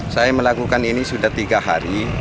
saya melakukan ini sudah tiga hari